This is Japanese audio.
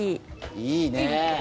いいね。